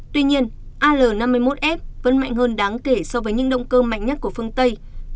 tuy nhiên al năm mươi một f vẫn mạnh hơn đáng kể so với những động cơ mạnh nhất của phương tây như f một trăm một mươi chín trên f hai mươi hai